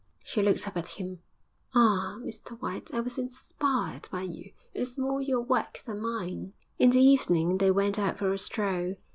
She looked up at him. 'Ah, Mr White, I was inspired by you. It is more your work than mine.' IV In the evening they went out for a stroll.